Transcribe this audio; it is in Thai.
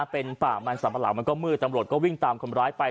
เป็นป่ามันสัมปะหลังมันก็มืดตำรวจก็วิ่งตามคนร้ายไป